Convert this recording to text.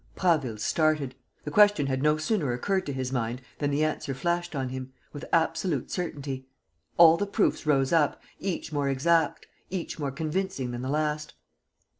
Prasville started. The question had no sooner occurred to his mind than the answer flashed on him, with absolute certainty. All the proofs rose up, each more exact, each more convincing than the last.